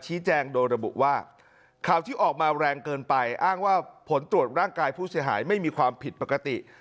ชี้แจงโดยระบุว่าข่าวที่ออกมาแรงเกินไปอ้างว่าผลตรวจร่างกายผู้เสียหายไม่มีความผิดปกติ